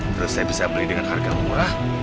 terus saya bisa beli dengan harga murah